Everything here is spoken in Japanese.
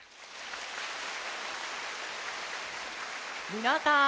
みなさん